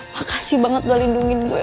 makasih banget gue lindungin gue